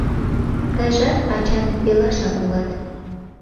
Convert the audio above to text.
Тыйжат ачат пелашак улат.